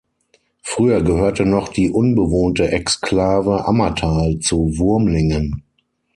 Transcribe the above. Früher gehörte noch die unbewohnte Exklave Ammertal zu Wurmlingen.